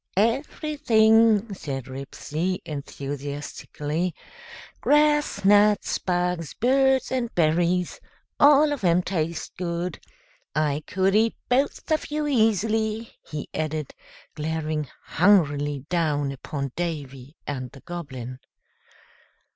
"Everything!" said Ribsy, enthusiastically, "grass, nuts, bugs, birds, and berries! All of 'em taste good. I could eat both of you easily," he added, glaring hungrily down upon Davy and the Goblin.